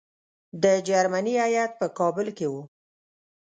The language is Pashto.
د جرمني هیات په کابل کې وو.